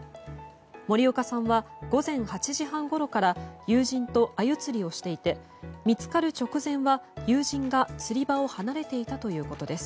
森岡さんは午前８時半ごろから友人とアユ釣りをしていて見つかる直前は友人が釣り場を離れていたということです。